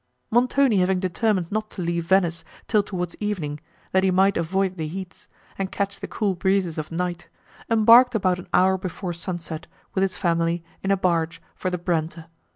Montoni having determined not to leave Venice, till towards evening, that he might avoid the heats, and catch the cool breezes of night, embarked about an hour before sunset, with his family, in a barge, for the Brenta.